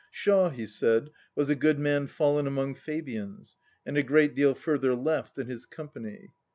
Shaw, he said, was "A good man fallen among Fabians" and a great deal further left than his company.